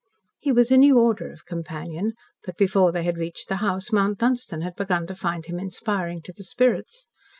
He was a new order of companion, but before they had reached the house, Mount Dunstan had begun to find him inspiring to the spirits.